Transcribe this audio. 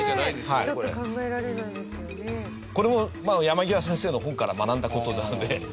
これも山極先生の本から学んだ事なので。